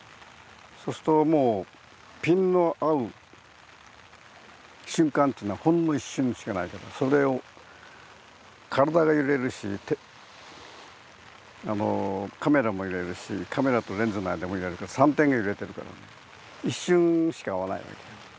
そうするともうピンの合う瞬間っていうのはほんの一瞬しかないからそれを体が揺れるしカメラも揺れるしカメラとレンズの間も揺れるから３点が揺れてるから一瞬しか合わないわけよ。